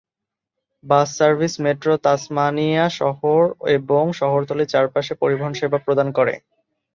বাস service metro Tasmania শহর এবং শহরতলির চারপাশে পরিবহন সেবা প্রদান করে।